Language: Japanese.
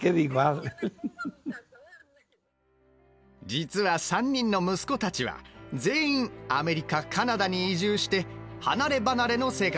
実は３人の息子たちは全員アメリカカナダに移住して離れ離れの生活を送っている。